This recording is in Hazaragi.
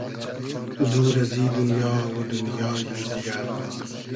دور ازی دونیا و دونیایی دیگۂ